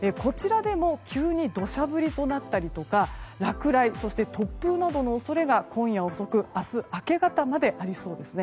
急に土砂降りとなったり落雷そして突風などの恐れが今夜遅くから明日の明け方までありそうです。